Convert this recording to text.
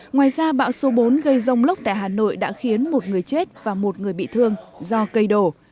ngoài ra bão số bốn gây rông lốc tại hà nội đã khiến một người chết và một người bị thương do cây đổ